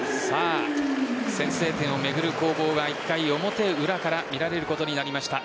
先制点を巡る攻防が１回表裏から見られることになりました。